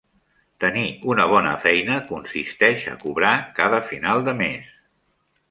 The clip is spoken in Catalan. Tenir una bona feina consisteix a cobrar cada final de mes.